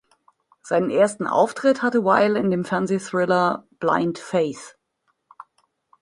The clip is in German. Seinen ersten Auftritt hatte Wyle in dem Fernsehthriller "Blind Faith".